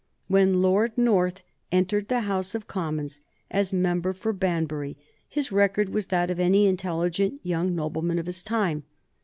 When Lord North entered the House of Commons as member for Banbury, his record was that of any intelligent young nobleman of his time.